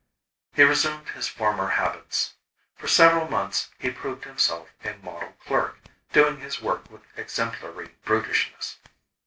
He resumed his former habits. For several months, he proved himself a model clerk, doing his work with exemplary brutishness.